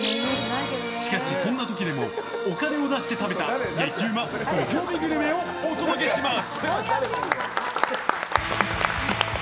しかしそんな時でもお金を出して食べた激うまご褒美グルメをお届けします。